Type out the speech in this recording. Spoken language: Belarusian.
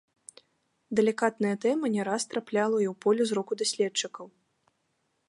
Далікатная тэма не раз трапляла і ў поле зроку даследчыкаў.